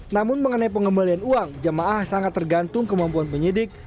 namun mengenai pengembalian uang jemaah sangat tergantung kemampuan penyidik